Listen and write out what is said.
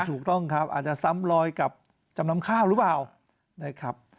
ถูกต้องครับอาจจะซ้ำลอยกับจำนำข้าวหรือเปล่านะครับ